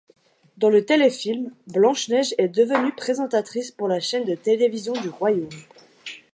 Dans le téléfilm, Blanche-Neige est devenue présentatrice pour la chaine de télévision du royaume.